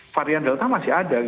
varian delta masih ada